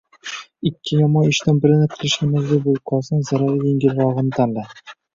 Ikki yomon ishdan birini qilishga majbur bo’lib qolsang, zarari yengilrog’ini tanla.